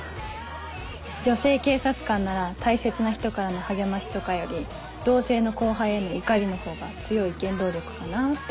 女性警察官なら大切な人からの励ましとかより同性の後輩への怒りのほうが強い原動力かなって。